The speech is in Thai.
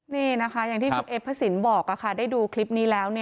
นี่นะคะอย่างที่คุณเอฟพระสินบอกได้ดูคลิปนี้แล้ว